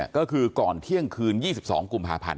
ก็คือก่อนเที่ยงคืน๒๒กุมภาพันธ